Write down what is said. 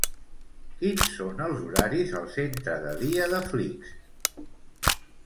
Quins són els horaris al centre de dia de Flix?